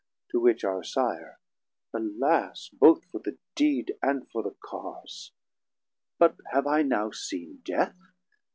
To which our Sire. 460 Alas, both for the deed and for the cause! But have I now seen Death?